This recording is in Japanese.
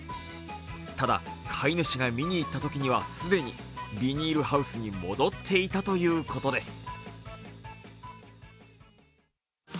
ただ飼い主が見に行ったときには既にビニールハウスに戻っていたということです。